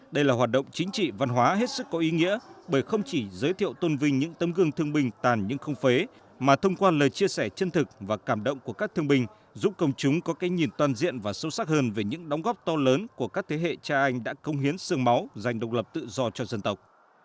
đây là hoạt động chính trị văn hóa hết sức có ý nghĩa bởi không chỉ giới thiệu tôn vinh những tấm gương thương binh tàn nhưng không phế mà thông qua lời chia sẻ chân thực và cảm động của các thương binh giúp công chúng có cái nhìn toàn diện và sâu sắc hơn về những đóng góp to lớn của các thế hệ cha anh đã công hiến sương máu dành độc lập tự do cho dân tộc